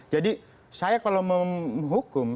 jadi saya kalau menghukum